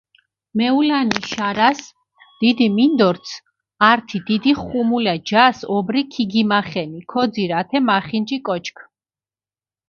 მეულანი შარას, დიდი მინდორც ართი დიდი ხუმულა ჯას ობრი ქიგიმახენი, ქოძირჷ ათე მახინჯი კოჩქჷ.